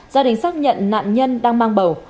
gia đình xác nhận nạn nhân đang mang bầu